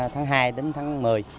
tháng hai đến tháng một mươi